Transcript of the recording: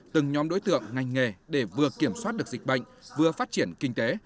từng nhóm đối tượng ngành nghề để vừa kiểm soát được dịch bệnh vừa phát triển kinh tế